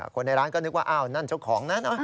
คนในร้านก็นึกว่าอ้าวนั่นเจ้าของนั้น